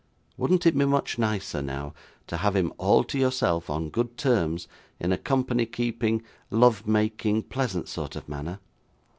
Wouldn't it be much nicer, now, to have him all to yourself on good terms, in a company keeping, love making, pleasant sort of manner?